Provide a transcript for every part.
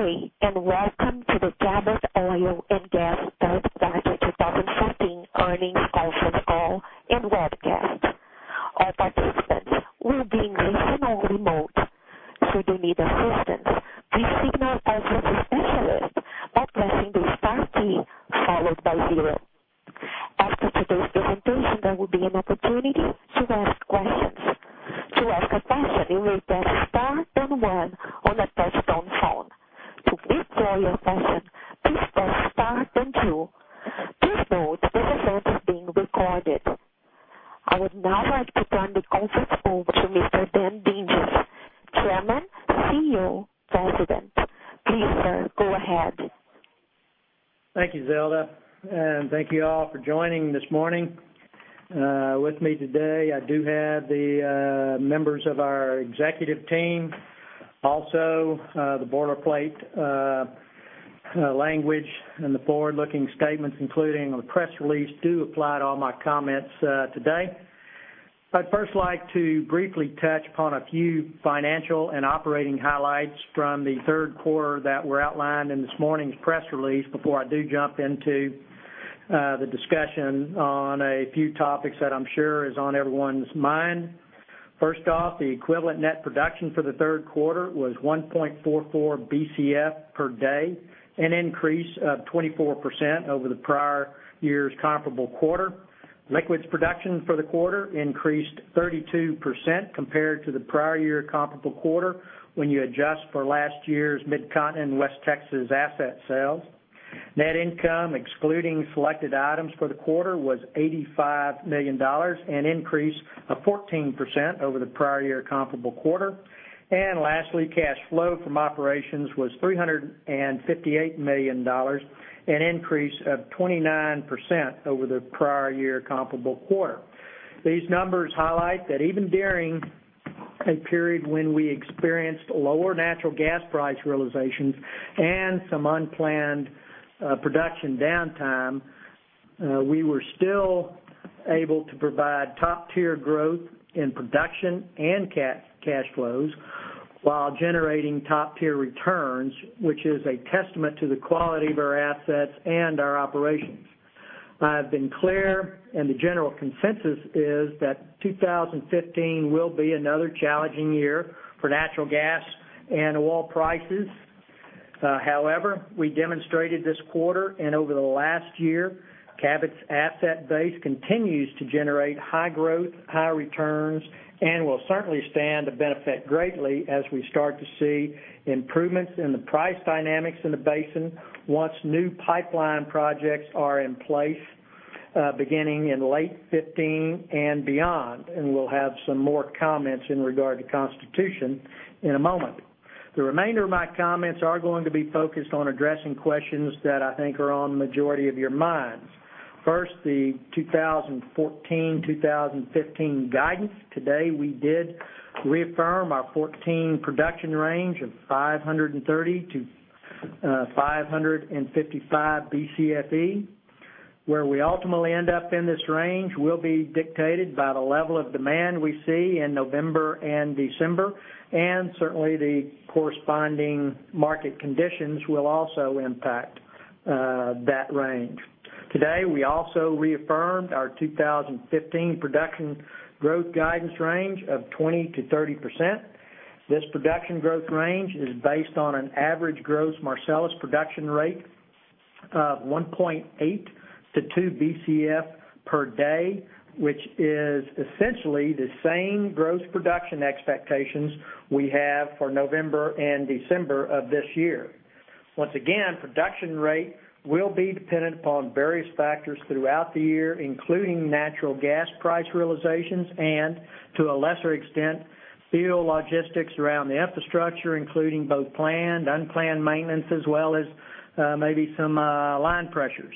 Good day, and welcome to the Cabot Oil & Gas First off, the equivalent net production for the third quarter was 1.44 Bcf per day, an increase of 24% over the prior year's comparable quarter. Liquids production for the quarter increased 32% compared to the prior year comparable quarter when you adjust for last year's Mid-Continent and West Texas asset sales. Net income, excluding selected items for the quarter, was $85 million, an increase of 14% over the prior year comparable quarter. Lastly, cash flow from operations was $358 million, an increase of 29% over the prior year comparable quarter. These numbers highlight that even during a period when we experienced lower natural gas price realizations and some unplanned production downtime, we were still able to provide top-tier growth in production and cash flows while generating top-tier returns, which is a testament to the quality of our assets and our operations. I have been clear, and the general consensus is that 2015 will be another challenging year for natural gas and oil prices. We demonstrated this quarter and over the last year, Cabot's asset base continues to generate high growth, high returns, and will certainly stand to benefit greatly as we start to see improvements in the price dynamics in the basin once new pipeline projects are in place beginning in late 2015 and beyond, and we'll have some more comments in regard to Constitution in a moment. The remainder of my comments are going to be focused on addressing questions that I think are on the majority of your minds. First, the 2014-2015 guidance. Today, we did reaffirm our 2014 production range of 530-555 BCFE. Where we ultimately end up in this range will be dictated by the level of demand we see in November and December, and certainly the corresponding market conditions will also impact that range. Today, we also reaffirmed our 2015 production growth guidance range of 20%-30%. This production growth range is based on an average gross Marcellus production rate of 1.8-2 Bcf per day, which is essentially the same gross production expectations we have for November and December of this year. Once again, production rate will be dependent upon various factors throughout the year, including natural gas price realizations and, to a lesser extent, field logistics around the infrastructure, including both planned, unplanned maintenance, as well as maybe some line pressures.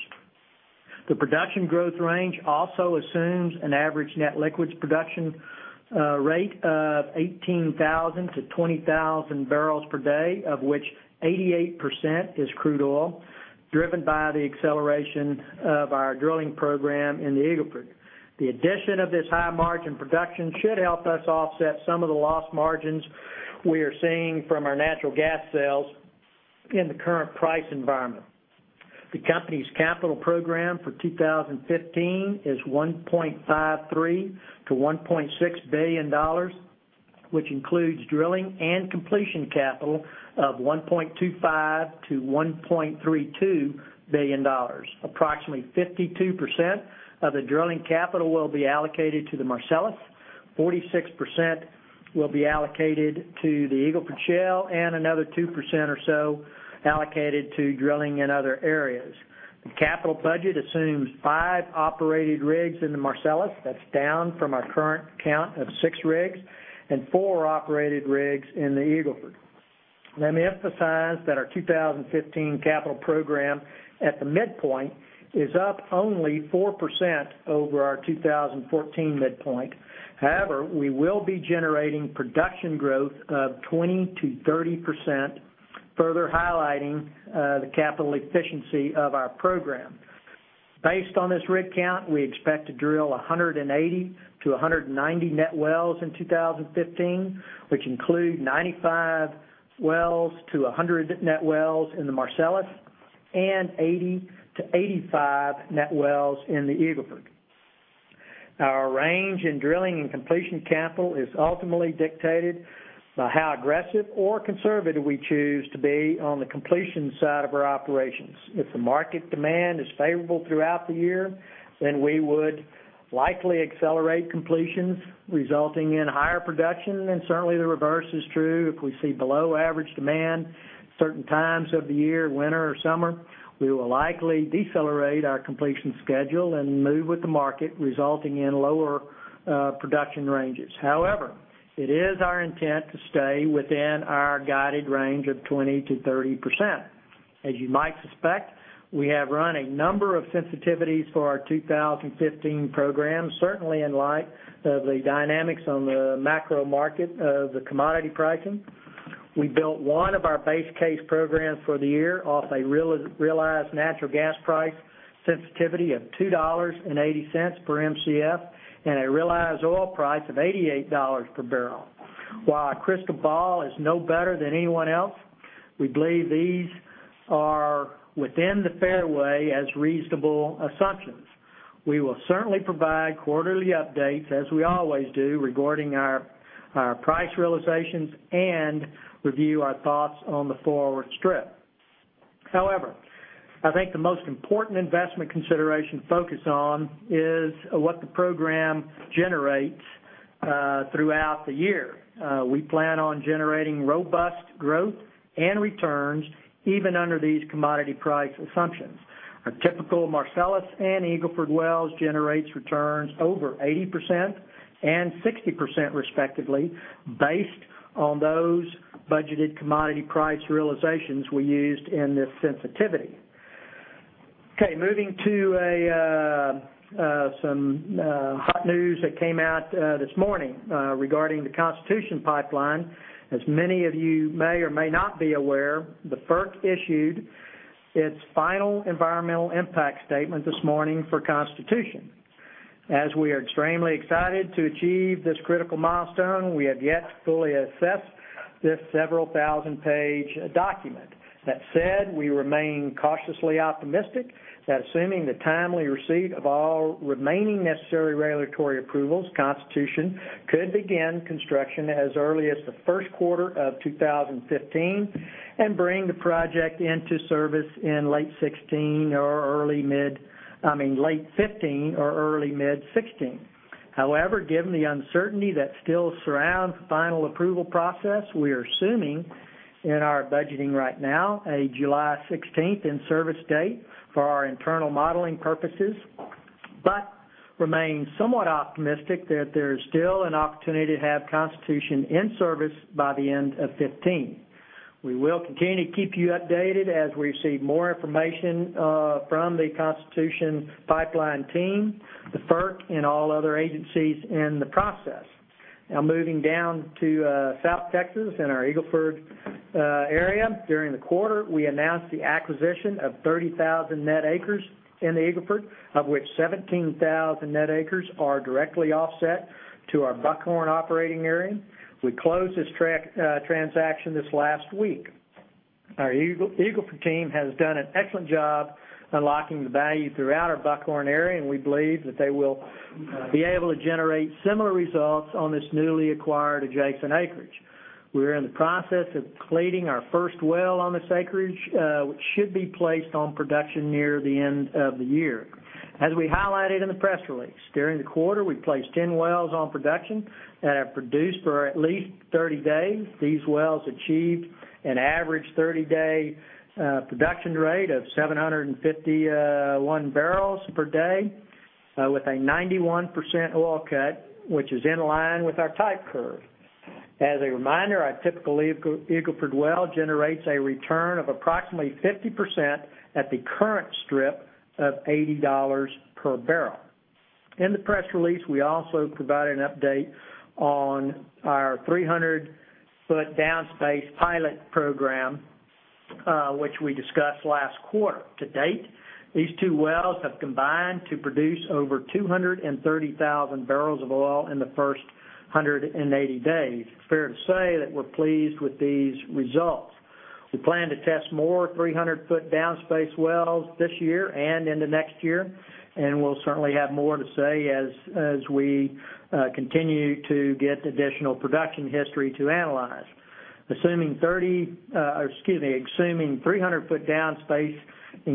The production growth range also assumes an average net liquids production rate of 18,000-20,000 barrels per day, of which 88% is crude oil, driven by the acceleration of our drilling program in the Eagle Ford. The addition of this high-margin production should help us offset some of the lost margins we are seeing from our natural gas sales in the current price environment. The company's capital program for 2015 is $1.53 billion-$1.6 billion, which includes drilling and completion capital of $1.25 billion-$1.32 billion. Approximately 52% of the drilling capital will be allocated to the Marcellus, 46% will be allocated to the Eagle Ford Shale, and another 2% or so allocated to drilling in other areas. The capital budget assumes five operated rigs in the Marcellus. That's down from our current count of six rigs and four operated rigs in the Eagle Ford. Let me emphasize that our 2015 capital program at the midpoint is up only 4% over our 2014 midpoint. We will be generating production growth of 20%-30%, further highlighting the capital efficiency of our program. Based on this rig count, we expect to drill 180-190 net wells in 2015, which include 95-100 net wells in the Marcellus and 80-85 net wells in the Eagle Ford. Our range in drilling and completion capital is ultimately dictated by how aggressive or conservative we choose to be on the completion side of our operations. If the market demand is favorable throughout the year, then we would likely accelerate completions, resulting in higher production. And certainly the reverse is true. If we see below average demand, certain times of the year, winter or summer, we will likely decelerate our completion schedule and move with the market, resulting in lower production ranges. However, it is our intent to stay within our guided range of 20%-30%. As you might suspect, we have run a number of sensitivities for our 2015 program, certainly in light of the dynamics on the macro market of the commodity pricing. We built one of our base case programs for the year off a realized natural gas price sensitivity of $2.80 per Mcf and a realized oil price of $88 per barrel. While our crystal ball is no better than anyone else, we believe these are within the fairway as reasonable assumptions. We will certainly provide quarterly updates, as we always do, regarding our price realizations and review our thoughts on the forward strip. The most important investment consideration focus on is what the program generates throughout the year. We plan on generating robust growth and returns even under these commodity price assumptions. Our typical Marcellus and Eagle Ford wells generates returns over 80% and 60%, respectively, based on those budgeted commodity price realizations we used in this sensitivity. Moving to some hot news that came out this morning regarding the Constitution Pipeline. As many of you may or may not be aware, the FERC issued its final environmental impact statement this morning for Constitution. As we are extremely excited to achieve this critical milestone, we have yet to fully assess this several thousand-page document. That said, we remain cautiously optimistic that assuming the timely receipt of all remaining necessary regulatory approvals, Constitution could begin construction as early as the first quarter of 2015 and bring the project into service in late 2016 or late 2015 or early mid-2016. Given the uncertainty that still surrounds the final approval process, we are assuming in our budgeting right now a July 16th in-service date for our internal modeling purposes, but remain somewhat optimistic that there is still an opportunity to have Constitution in service by the end of 2015. We will continue to keep you updated as we receive more information from the Constitution Pipeline team, the FERC, and all other agencies in the process. Moving down to South Texas and our Eagle Ford area. During the quarter, we announced the acquisition of 30,000 net acres in the Eagle Ford, of which 17,000 net acres are directly offset to our Buckhorn operating area. We closed this transaction this last week. Our Eagle Ford team has done an excellent job unlocking the value throughout our Buckhorn area, and we believe that they will be able to generate similar results on this newly acquired adjacent acreage. We're in the process of plating our first well on this acreage, which should be placed on production near the end of the year. As we highlighted in the press release, during the quarter, we placed 10 wells on production that have produced for at least 30 days. These wells achieved an average 30-day production rate of 751 barrels per day with a 91% oil cut, which is in line with our type curve. As a reminder, our typical Eagle Ford well generates a return of approximately 50% at the current strip of $80 per barrel. In the press release, we also provide an update on our 300-foot down space pilot program, which we discussed last quarter. To date, these two wells have combined to produce over 230,000 barrels of oil in the first 180 days. It's fair to say that we're pleased with these results. We plan to test more 300-foot down space wells this year and into next year, and we'll certainly have more to say as we continue to get additional production history to analyze. Assuming 300-foot down space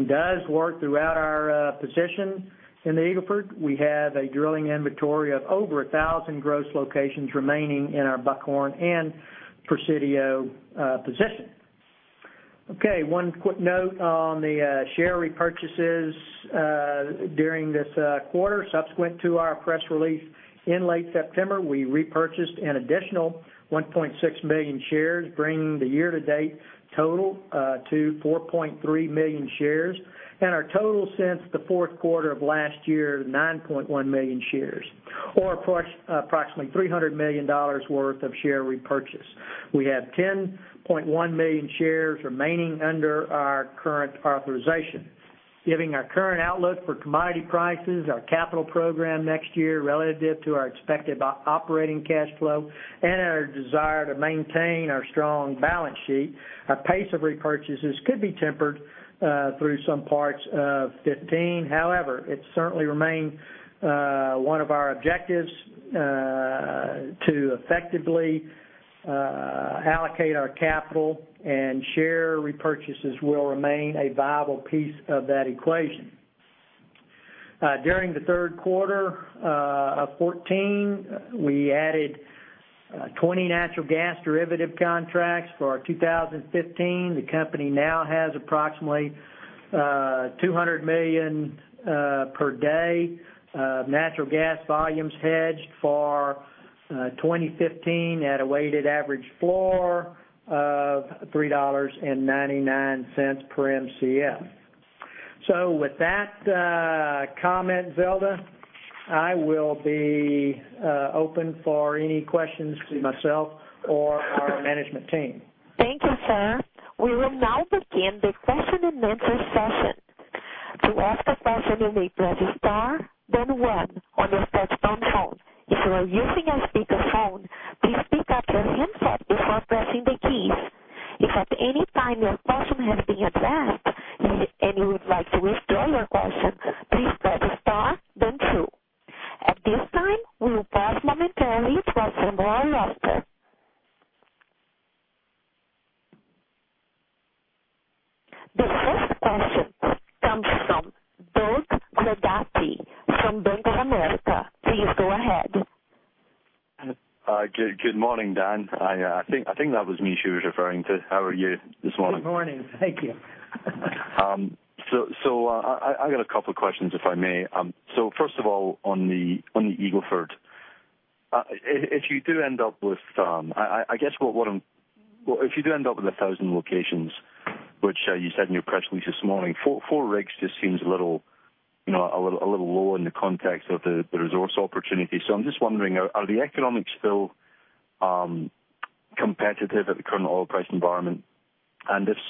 does work throughout our positions in the Eagle Ford, we have a drilling inventory of over 1,000 gross locations remaining in our Buckhorn and Presidio position. One quick note on the share repurchases during this quarter. Subsequent to our press release in late September, we repurchased an additional 1.6 million shares, bringing the year-to-date total to 4.3 million shares. Our total since the fourth quarter of last year, 9.1 million shares. Approximately $300 million worth of share repurchase. We have 10.1 million shares remaining under our current authorization. Giving our current outlook for commodity prices, our capital program next year relative to our expected operating cash flow, and our desire to maintain our strong balance sheet, our pace of repurchases could be tempered through some parts of 2015. However, it certainly remains one of our objectives to effectively allocate our capital, and share repurchases will remain a viable piece of that equation. During the third quarter of 2014, we added 20 natural gas derivative contracts for our 2015. The company now has approximately 200 million per day natural gas volumes hedged for 2015 at a weighted average floor of $3.99 per Mcf. With that comment, Zilda, I will be open for any questions to myself or our management team. Thank you, sir. We will now begin the question-and-answer session. To ask a question, you may press star then 1 on your touchtone phone. If you are using a speakerphone, please pick up your handset before pressing the keys. If at any time your question has been addressed, and you would like to withdraw your question, please press star then 2. At this time, we will pause momentarily to assemble our roster. The first question comes from Doug Leggate from Bank of America. Please go ahead. Good morning, Dan. I think that was me she was referring to. How are you this morning? Good morning. Thank you. I've got a couple questions, if I may. First of all, on the Eagle Ford. If you do end up with 1,000 locations, which you said in your press release this morning, four rigs just seems a little low in the context of the resource opportunity. If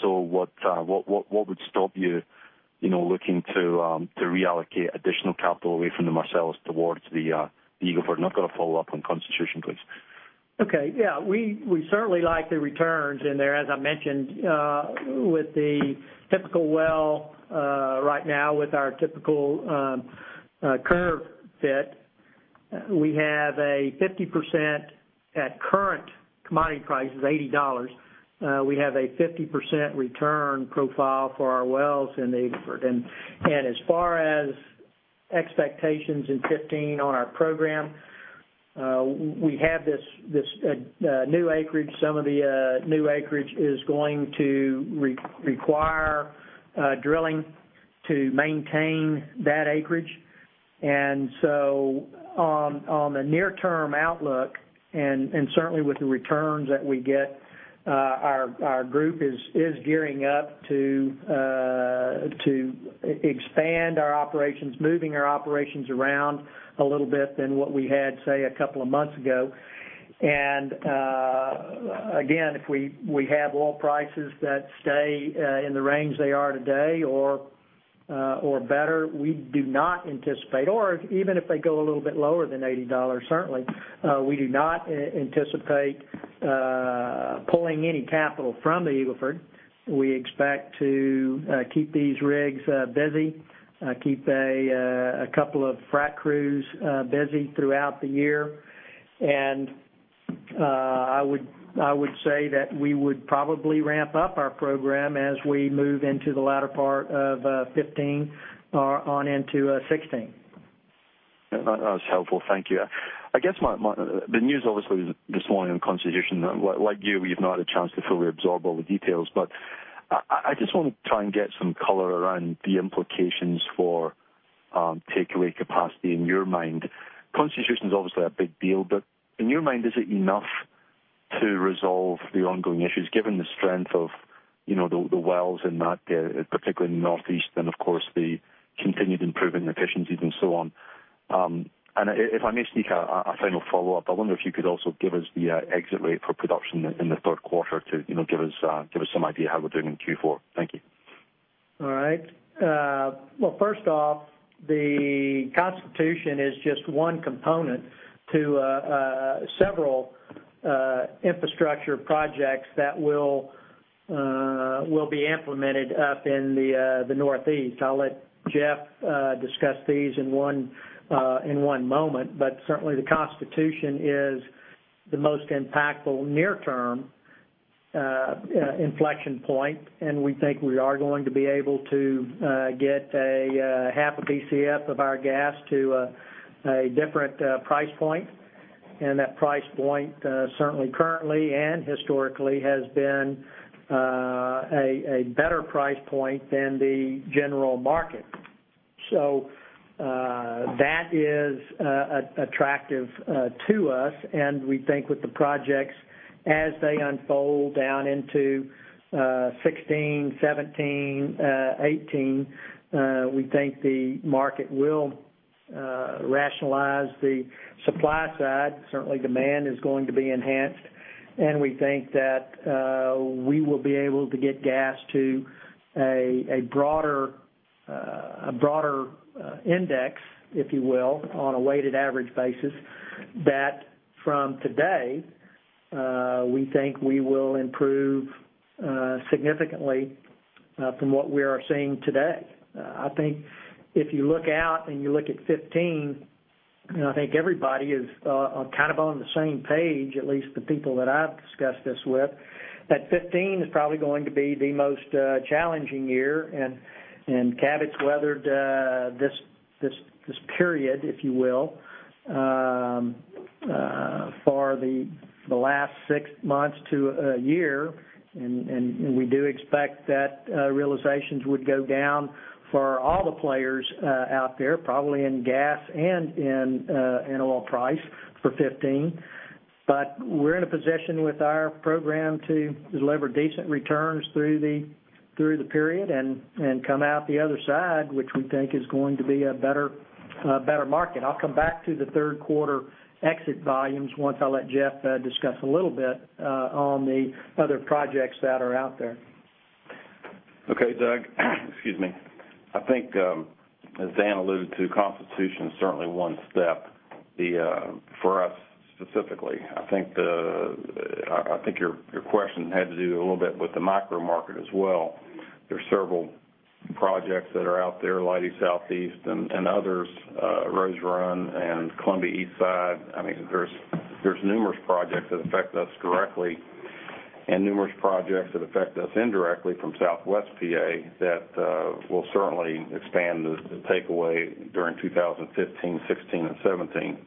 so, what would stop you looking to reallocate additional capital away from the Marcellus towards the Eagle Ford? I've got a follow-up on Constitution Pipeline, please. Okay. Yeah. We certainly like the returns in there. As I mentioned, with the typical well right now with our typical curve fit, at current commodity prices, $80, we have a 50% return profile for our wells in the Eagle Ford. As far as expectations in 2015 on our program, we have this new acreage. Some of the new acreage is going to require drilling to maintain that acreage. On the near-term outlook, and certainly with the returns that we get, our group is gearing up to expand our operations, moving our operations around a little bit than what we had, say, a couple of months ago. Again, if we have oil prices that stay in the range they are today or better, or even if they go a little bit lower than $80, certainly, we do not anticipate pulling any capital from the Eagle Ford. We expect to keep these rigs busy, keep a couple of frac crews busy throughout the year. I would say that we would probably ramp up our program as we move into the latter part of 2015 on into 2016. That's helpful. Thank you. The news obviously this morning on Constitution Pipeline, like you, we've not had a chance to fully absorb all the details, but I just want to try and get some color around the implications for takeaway capacity in your mind. Constitution Pipeline's obviously a big deal, but in your mind, is it enough to resolve the ongoing issues, given the strength of the wells in that, particularly in Northeast, and of course the continued improving efficiencies and so on? If I may sneak a final follow-up, I wonder if you could also give us the exit rate for production in the third quarter to give us some idea how we're doing in Q4. Thank you. All right. Well, first off, the Constitution Pipeline is just one component to several infrastructure projects that will be implemented up in the Northeast. I'll let Jeff discuss these in one moment, but certainly the Constitution Pipeline is the most impactful near-term inflection point, and we think we are going to be able to get a half a Bcf of our gas to a different price point. That price point certainly currently and historically has been a better price point than the general market. That is attractive to us, and we think with the projects as they unfold down into 2016, 2017, 2018, we think the market will rationalize the supply side. Certainly, demand is going to be enhanced, and we think that we will be able to get gas to a broader index, if you will, on a weighted average basis. That from today, we think we will improve significantly from what we are seeing today. I think if you look out and you look at 2015, I think everybody is on the same page, at least the people that I've discussed this with, that 2015 is probably going to be the most challenging year, and Cabot's weathered this period, if you will, for the last six months to a year. We do expect that realizations would go down for all the players out there, probably in gas and in oil price for 2015. We're in a position with our program to deliver decent returns through the period and come out the other side, which we think is going to be a better market. I'll come back to the third quarter exit volumes once I let Jeff discuss a little bit on the other projects that are out there. Okay, Doug. Excuse me. I think as Dan alluded to, Constitution Pipeline is certainly one step for us specifically. I think your question had to do a little bit with the micro market as well. There's several projects that are out there, Leidy Southeast and others, Rose Run and Columbia East Side. There's numerous projects that affect us directly and numerous projects that affect us indirectly from southwest Pennsylvania that will certainly expand the takeaway during 2015, 2016, and 2017.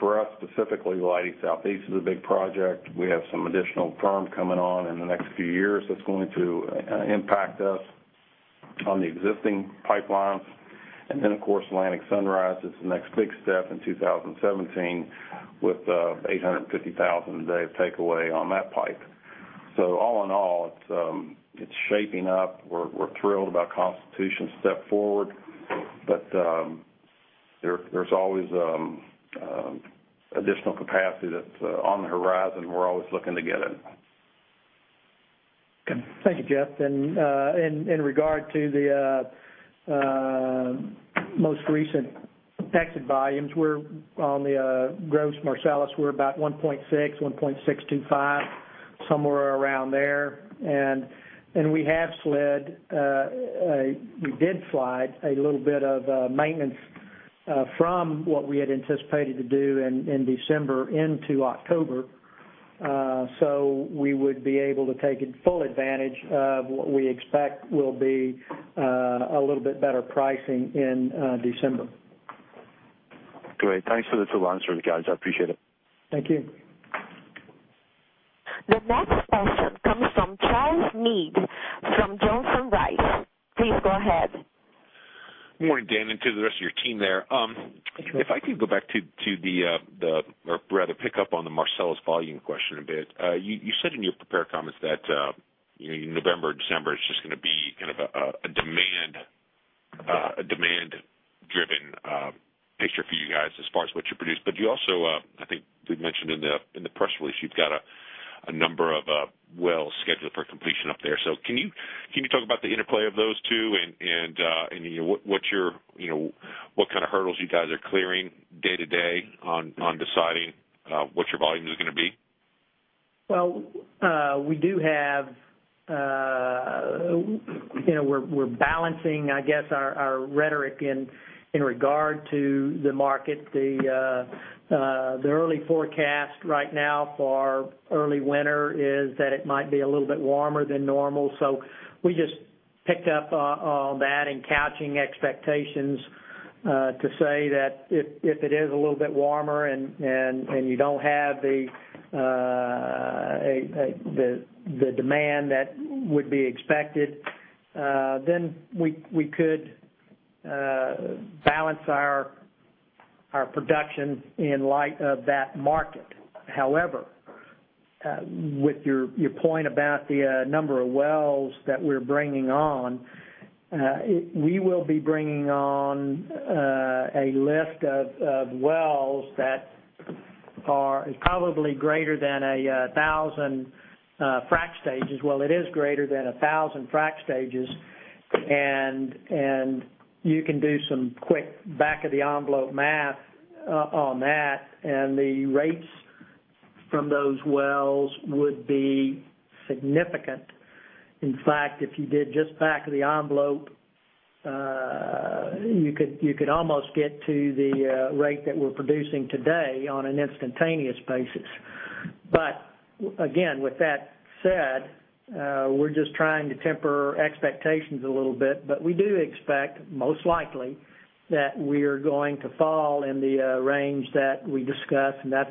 For us specifically, Leidy Southeast is a big project. We have some additional firm coming on in the next few years that's going to impact us on the existing pipelines. Then, of course, Atlantic Sunrise Pipeline is the next big step in 2017 with 850,000 a day of takeaway on that pipe. All in all, it's shaping up. We're thrilled about Constitution Pipeline's step forward. There's always additional capacity that's on the horizon. We're always looking to get it. Thank you, Jeff. In regard to the most recent exit volumes, on the gross Marcellus, we're about 1.6, 1.625, somewhere around there. We did slide a little bit of maintenance from what we had anticipated to do in December into October. We would be able to take full advantage of what we expect will be a little bit better pricing in December. Great. Thanks for the answer, guys. I appreciate it. Thank you. The next question comes from Charles Meade from Johnson Rice. Please go ahead. Good morning, Dan, and to the rest of your team there. Good morning. If I could go back to the or rather pick up on the Marcellus volume question a bit. You said in your prepared comments that November, December is just going to be a demand-driven picture for you guys as far as what you produce. You also, I think we've mentioned in the press release, you've got a number of wells scheduled for completion up there. Can you talk about the interplay of those two and what kind of hurdles you guys are clearing day to day on deciding what your volume is going to be? Well, we're balancing our rhetoric in regard to the market. The early forecast right now for early winter is that it might be a little bit warmer than normal. We just picked up on that and couching expectations to say that if it is a little bit warmer and you don't have the demand that would be expected, then we could balance our production in light of that market. However, with your point about the number of wells that we're bringing on, we will be bringing on a list of wells that is probably greater than 1,000 frack stages. Well, it is greater than 1,000 frack stages. You can do some quick back-of-the-envelope math on that, and the rates from those wells would be significant. In fact, if you did just back-of-the-envelope, you could almost get to the rate that we're producing today on an instantaneous basis. Again, with that said, we're just trying to temper expectations a little bit. We do expect, most likely, that we're going to fall in the range that we discussed, and that's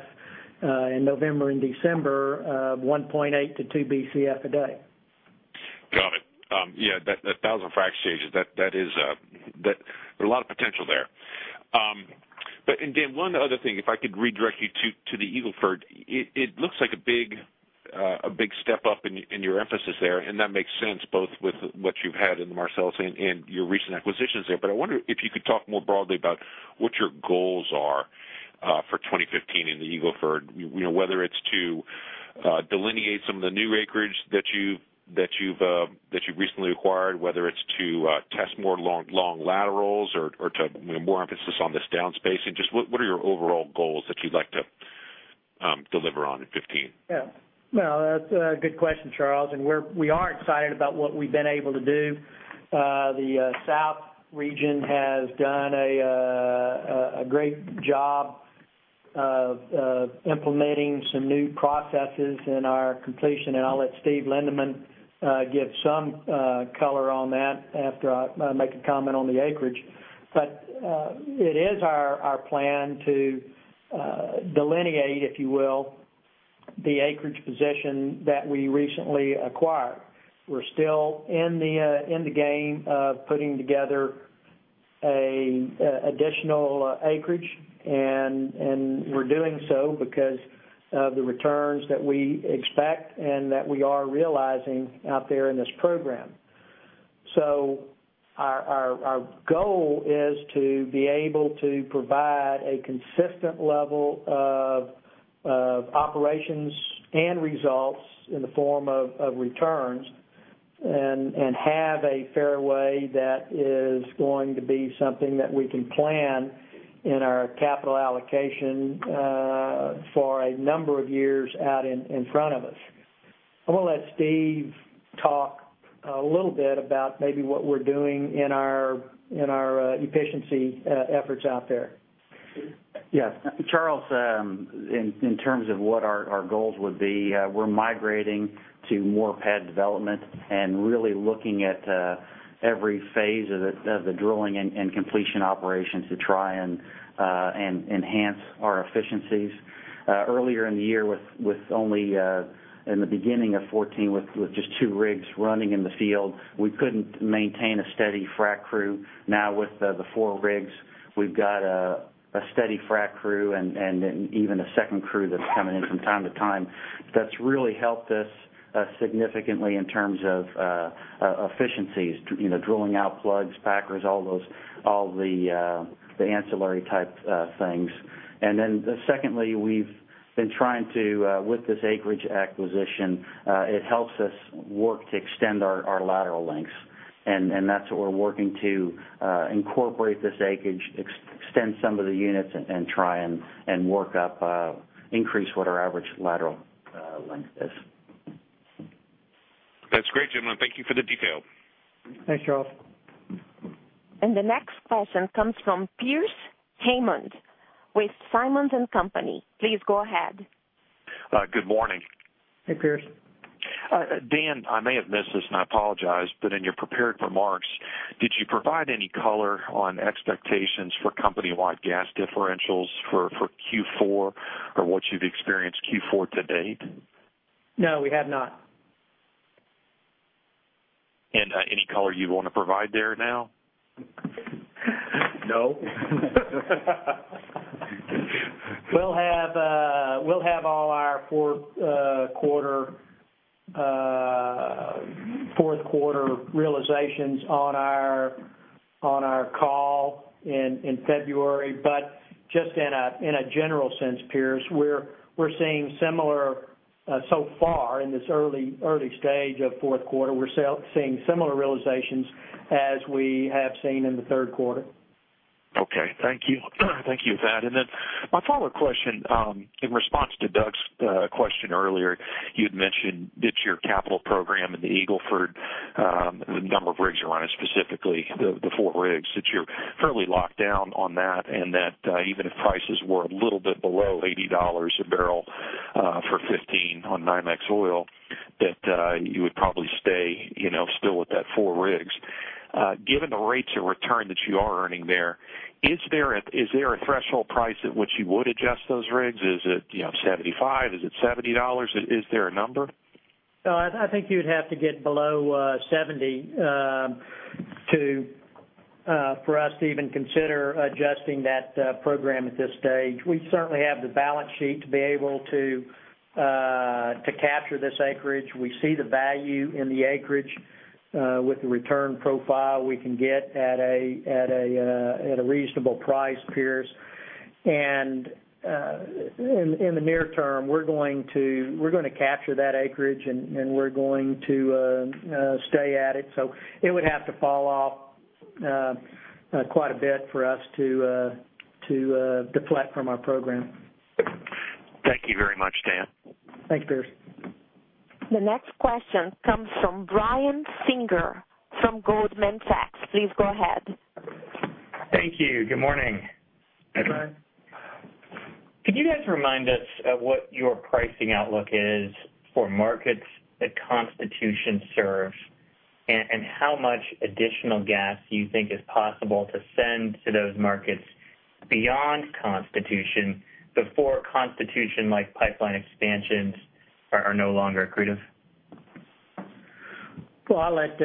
in November and December, 1.8 to 2 Bcf a day. Got it. Yeah, that 1,000 frack stages, there is a lot of potential there. Dan, one other thing, if I could redirect you to the Eagle Ford, it looks like a big step up in your emphasis there, and that makes sense both with what you've had in the Marcellus and your recent acquisitions there. I wonder if you could talk more broadly about what your goals are for 2015 in the Eagle Ford. Whether it's to delineate some of the new acreage that you've recently acquired, whether it's to test more long laterals or to more emphasis on this down spacing. Just what are your overall goals that you'd like to deliver on in 2015? Yeah. Well, that's a good question, Charles. We are excited about what we've been able to do. The south region has done a great job of implementing some new processes in our completion, and I'll let Steve Lindeman give some color on that after I make a comment on the acreage. It is our plan to delineate, if you will, the acreage position that we recently acquired. We're still in the game of putting together additional acreage, and we're doing so because of the returns that we expect and that we are realizing out there in this program. Our goal is to be able to provide a consistent level of operations and results in the form of returns and have a fairway that is going to be something that we can plan in our capital allocation for a number of years out in front of us. I'm going to let Steve talk a little bit about maybe what we're doing in our efficiency efforts out there. Yes. Charles, in terms of what our goals would be, we're migrating to more pad development and really looking at every phase of the drilling and completion operations to try and enhance our efficiencies. Earlier in the year with only in the beginning of 2014 with just two rigs running in the field, we couldn't maintain a steady frac crew. Now with the four rigs, we've got a steady frac crew and even a second crew that's coming in from time to time. That's really helped us significantly in terms of efficiencies, drilling out plugs, packers, all the ancillary type things. Secondly, we've been trying to with this acreage acquisition it helps us work to extend our lateral lengths. That's what we're working to incorporate this acreage, extend some of the units, and try and work up increase what our average lateral length is. That's great, gentlemen. Thank you for the detail. Thanks, Charles. The next question comes from Pearce Hammond with Simmons & Company International. Please go ahead. Good morning. Hey, Pearce. Dan, I may have missed this, and I apologize, but in your prepared remarks, did you provide any color on expectations for company-wide gas differentials for Q4 or what you've experienced Q4 to date? No, we have not. Any color you want to provide there now? No. We'll have all our fourth quarter realizations on our call in February, but just in a general sense, Pearce, we're seeing similar so far in this early stage of fourth quarter, we're seeing similar realizations as we have seen in the third quarter. Okay. Thank you. Thank you for that. My follow-up question in response to Doug's question earlier, you'd mentioned that your capital program in the Eagle Ford the number of rigs you're running, specifically the four rigs, that you're fairly locked down on that, and that even if prices were a little bit below $80 a barrel for 2015 on NYMEX oil, that you would probably stay still with that four rigs. Given the rates of return that you are earning there, is there a threshold price at which you would adjust those rigs? Is it $75? Is it $70? Is there a number? I think you would have to get below $70 for us to even consider adjusting that program at this stage. We certainly have the balance sheet to be able to capture this acreage. We see the value in the acreage with the return profile we can get at a reasonable price, Pearce. In the near term, we're going to capture that acreage and we're going to stay at it. It would have to fall off quite a bit for us to deflect from our program. Thank you very much, Dan. Thanks, Pearce. The next question comes from Brian Singer from Goldman Sachs. Please go ahead. Thank you. Good morning. Hey, Brian. Could you guys remind us of what your pricing outlook is for markets that Constitution serves, and how much additional gas do you think is possible to send to those markets beyond Constitution before Constitution-like pipeline expansions are no longer accretive? Well, I'll let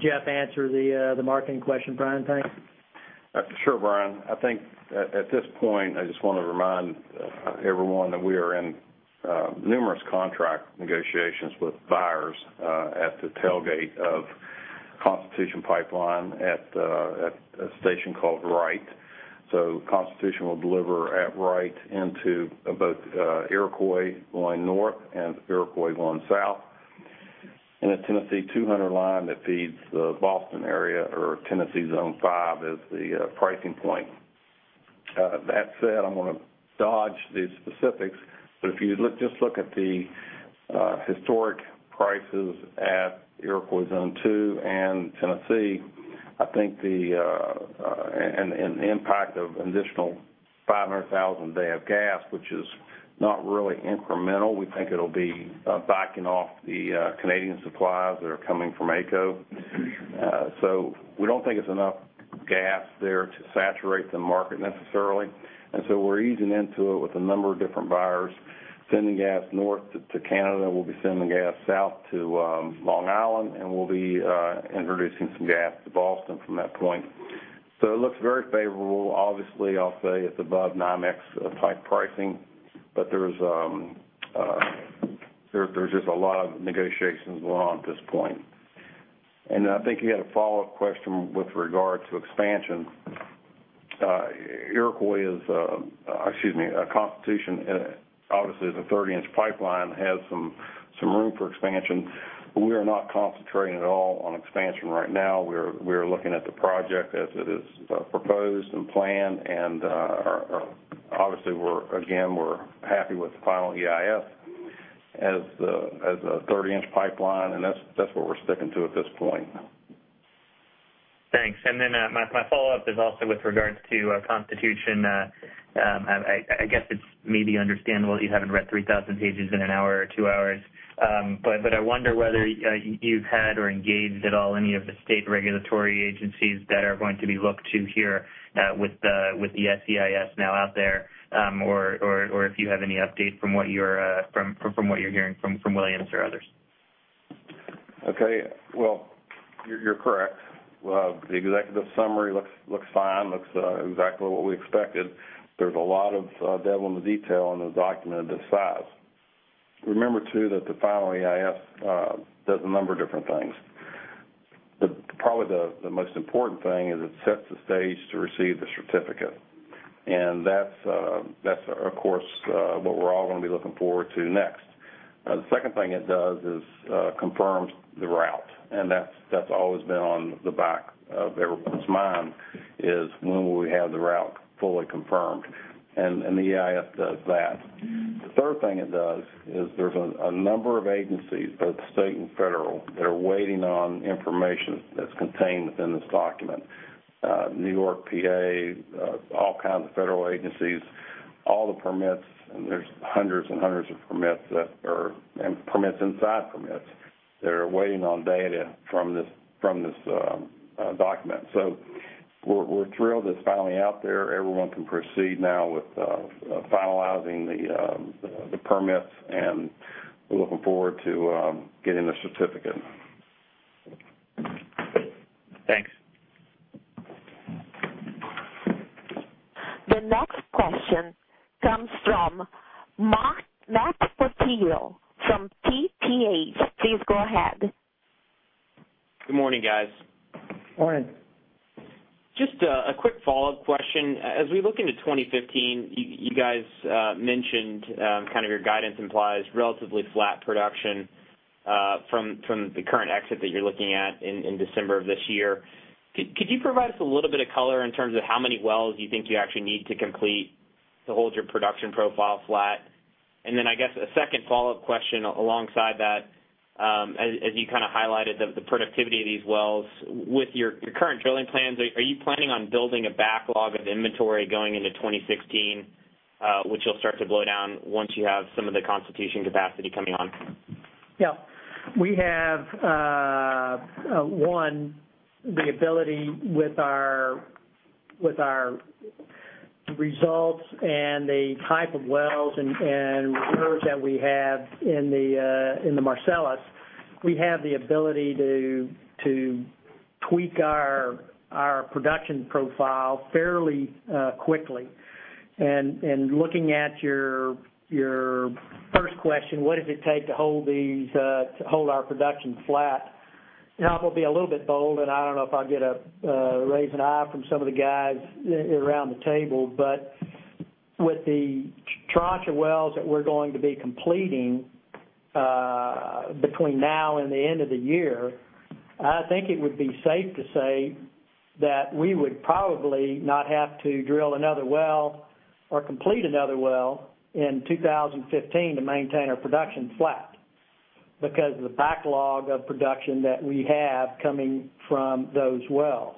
Jeff answer the marketing question, Brian, thanks. Sure, Brian. I think at this point, I just want to remind everyone that we are in numerous contract negotiations with buyers at the tailgate of Constitution Pipeline at a station called Wright. Constitution will deliver at Wright into both Iroquois going north and Iroquois going south, and a Tennessee 200 line that feeds the Boston area or Tennessee Zone 5 is the pricing point. That said, I'm going to dodge the specifics, but if you just look at the historic prices at Iroquois Zone 2 and Tennessee, I think the impact of additional 500,000, they have gas, which is not really incremental. We think it'll be backing off the Canadian supplies that are coming from AECO. We don't think it's enough gas there to saturate the market necessarily, and so we're easing into it with a number of different buyers. Sending gas north to Canada, we'll be sending gas south to Long Island, and we'll be introducing some gas to Boston from that point. It looks very favorable. Obviously, I'll say it's above NYMEX-type pricing, but there's just a lot of negotiations going on at this point. I think you had a follow-up question with regard to expansion. Constitution, obviously, as a 30-inch pipeline, has some room for expansion, but we are not concentrating at all on expansion right now. We are looking at the project as it is proposed and planned and, obviously, again, we're happy with the final EIS as a 30-inch pipeline, and that's what we're sticking to at this point. Thanks. My follow-up is also with regards to Constitution. I guess it's maybe understandable you haven't read 3,000 pages in an hour or two hours. I wonder whether you've had or engaged at all any of the state regulatory agencies that are going to be looked to here, with the EIS now out there, or if you have any update from what you're hearing from Williams or others. Okay. Well, you're correct. The executive summary looks fine, looks exactly what we expected. There's a lot of devil in the detail in a document of this size. Remember, too, that the final EIS does a number of different things. Probably the most important thing is it sets the stage to receive the certificate, and that's, of course, what we're all going to be looking forward to next. The second thing it does is confirms the route, and that's always been on the back of everyone's mind is when will we have the route fully confirmed, and the EIS does that. The third thing it does is there's a number of agencies, both state and federal, that are waiting on information that's contained within this document. N.Y., P.A., all kinds of federal agencies, all the permits, and there's hundreds and hundreds of permits, and permits inside permits, that are waiting on data from this document. We're thrilled it's finally out there. Everyone can proceed now with finalizing the permits, and we're looking forward to getting the certificate. Thanks. The next question comes from Matt Portillo from TPH. Please go ahead. Good morning, guys. Morning. Just a quick follow-up question. As we look into 2015, you guys mentioned kind of your guidance implies relatively flat production from the current exit that you're looking at in December of this year. Could you provide us a little bit of color in terms of how many wells you think you actually need to complete to hold your production profile flat? I guess a second follow-up question alongside that, as you kind of highlighted the productivity of these wells, with your current drilling plans, are you planning on building a backlog of inventory going into 2016, which you'll start to blow down once you have some of the Constitution capacity coming on? Yeah. One, the ability with our results and the type of wells and reserves that we have in the Marcellus, we have the ability to tweak our production profile fairly quickly. Looking at your first question, what does it take to hold our production flat? I'm going to be a little bit bold, and I don't know if I'll get a raising eye from some of the guys around the table, but with the tranche of wells that we're going to be completing between now and the end of the year, I think it would be safe to say that we would probably not have to drill another well or complete another well in 2015 to maintain our production flat because of the backlog of production that we have coming from those wells.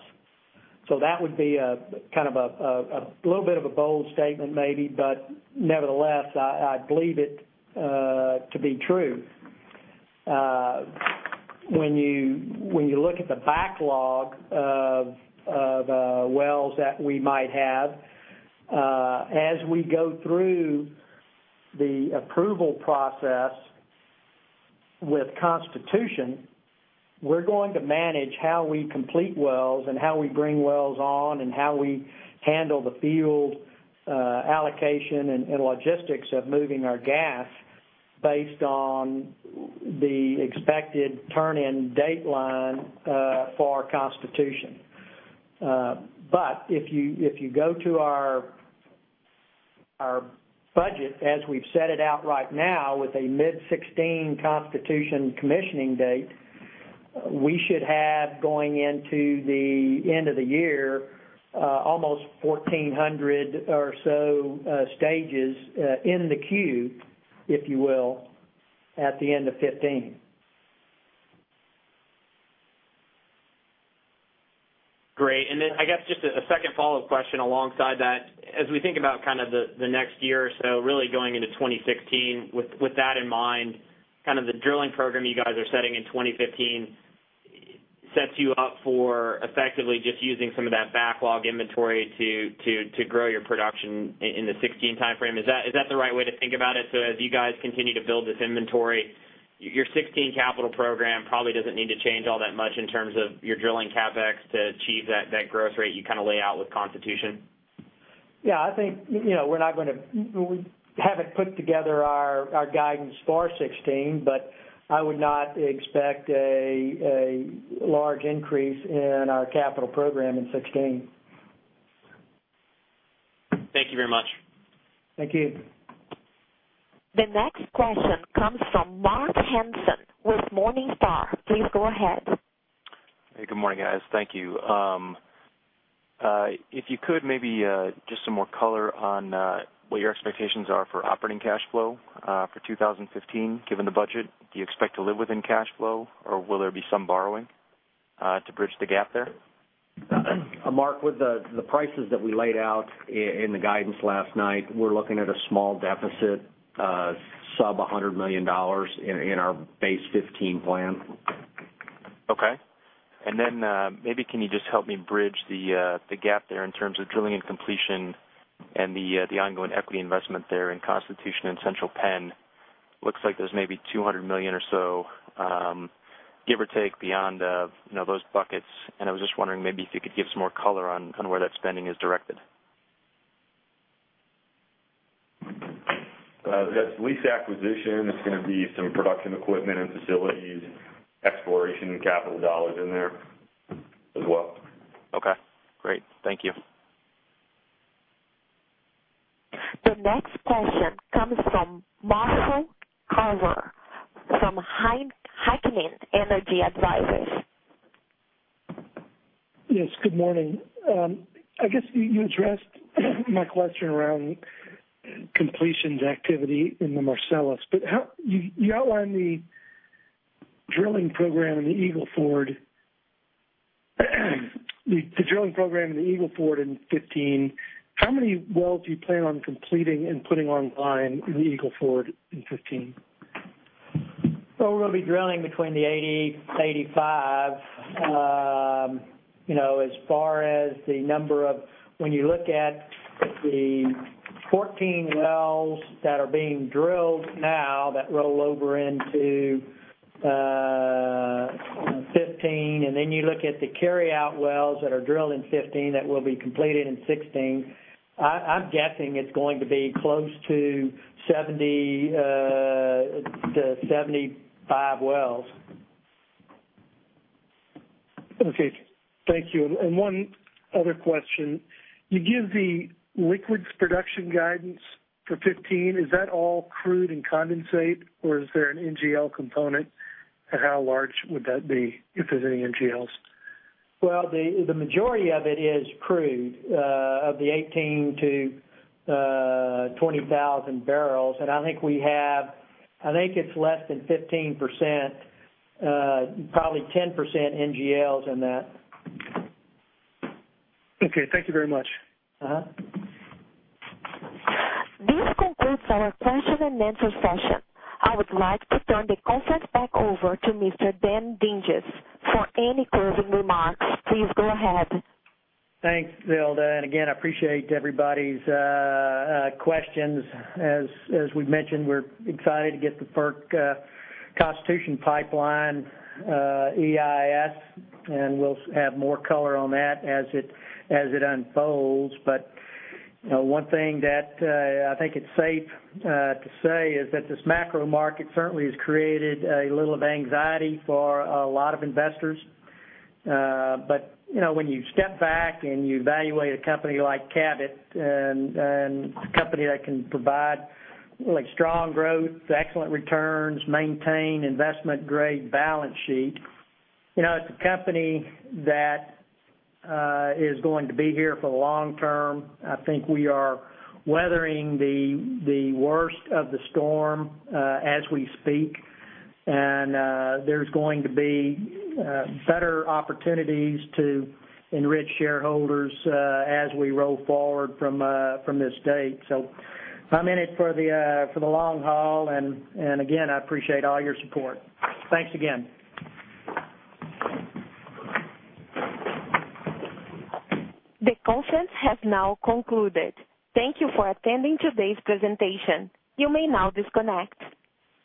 That would be a little bit of a bold statement maybe, but nevertheless, I believe it to be true. When you look at the backlog that we might have. As we go through the approval process with Constitution Pipeline, we're going to manage how we complete wells and how we bring wells on, and how we handle the field allocation and logistics of moving our gas based on the expected turn-in date for our Constitution Pipeline. If you go to our budget, as we've set it out right now with a mid 2016 Constitution Pipeline commissioning date, we should have, going into the end of the year, almost 1,400 or so stages in the queue, if you will, at the end of 2015. Great. I guess just a second follow-up question alongside that. As we think about the next year or so, really going into 2016, with that in mind, the drilling program you guys are setting in 2015 sets you up for effectively just using some of that backlog inventory to grow your production in the 2016 timeframe. Is that the right way to think about it? As you guys continue to build this inventory, your 2016 capital program probably doesn't need to change all that much in terms of your drilling CapEx to achieve that growth rate you lay out with Constitution Pipeline? Yeah, I think we haven't put together our guidance for 2016, I would not expect a large increase in our capital program in 2016. Thank you very much. Thank you. The next question comes from Mark Hanson with Morningstar. Please go ahead. Hey, good morning, guys. Thank you. If you could, maybe just some more color on what your expectations are for operating cash flow for 2015, given the budget. Do you expect to live within cash flow, or will there be some borrowing to bridge the gap there? Mark, with the prices that we laid out in the guidance last night, we're looking at a small deficit, sub $100 million in our base 2015 plan. Okay. Then maybe can you just help me bridge the gap there in terms of drilling and completion and the ongoing equity investment there in Constitution and Central Penn? Looks like there's maybe $200 million or so, give or take, beyond those buckets, and I was just wondering maybe if you could give some more color on where that spending is directed. That's lease acquisition. It's going to be some production equipment and facilities, exploration and capital dollars in there as well. Okay, great. Thank you. The next question comes from Marshall Carver from Heikkinen Energy Advisors. Yes, good morning. I guess you addressed my question around completions activity in the Marcellus, but you outlined the drilling program in the Eagle Ford in 2015. How many wells do you plan on completing and putting online in the Eagle Ford in 2015? We're going to be drilling between the 80, 85. As far as When you look at the 14 wells that are being drilled now that roll over into 2015, you look at the carry-out wells that are drilled in 2015 that will be completed in 2016, I'm guessing it's going to be close to 70-75 wells. Okay, thank you. One other question. You give the liquids production guidance for 2015. Is that all crude and condensate, or is there an NGL component, and how large would that be if there's any NGLs? Well, the majority of it is crude, of the 18,000 to 20,000 barrels. I think it's less than 15%, probably 10% NGLs in that. Okay, thank you very much. This concludes our question and answer session. I would like to turn the conference back over to Mr. Dan Dinges. For any closing remarks, please go ahead. Thanks, Zilda. Again, I appreciate everybody's questions. As we've mentioned, we're excited to get the FERC Constitution Pipeline EIS, we'll have more color on that as it unfolds. One thing that I think it's safe to say is that this macro market certainly has created a little of anxiety for a lot of investors. When you step back and you evaluate a company like Cabot, a company that can provide strong growth, excellent returns, maintain investment-grade balance sheet, it's a company that is going to be here for the long term. I think we are weathering the worst of the storm as we speak. There's going to be better opportunities to enrich shareholders as we roll forward from this date. I'm in it for the long haul, again, I appreciate all your support. Thanks again. The conference has now concluded. Thank you for attending today's presentation. You may now disconnect.